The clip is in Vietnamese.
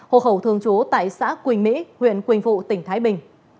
hộ khẩu thường trú tại xã quỳnh mỹ huyện quỳnh phụ tỉnh thái bình